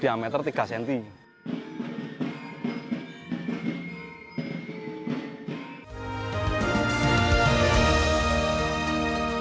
jempa ringan diperkosa dengan jempa ringan